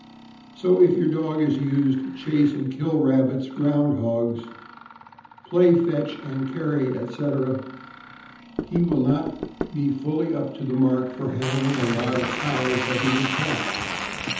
So if your dog is used to chase and kill rabbits, ground hogs, to play fetch and carry, etc., THE OLD ENGLISH SHEEP DOG. 521 he will not be fully up to the mark for handling a lot of cows heavy with calf.